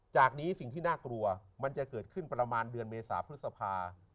จากนี้สิ่งที่น่ากลัวมันจะเกิดขึ้นประมาณเดือนเมษาพฤษภา